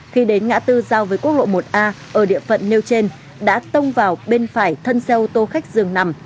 khi đến ngã tư giao với quốc lộ một a ở địa phận nêu trên đã tông vào bên phải thân xe ô tô khách dường nằm